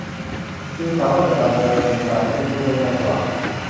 จึงสามารถจำกัดวงเงินการเล่นหุ้นได้ง่ายกว่า